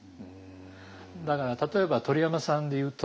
だから例えば鳥山さんで言うと。